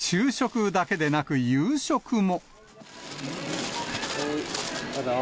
さらに、昼食だけでなく夕食も。